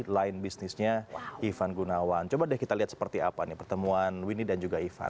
line bisnisnya ivan gunawan coba deh kita lihat seperti apa nih pertemuan winnie dan juga ivan